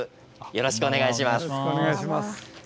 よろしくお願いします。